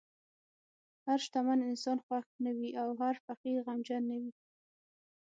هر شتمن انسان خوښ نه وي، او هر فقیر غمجن نه وي.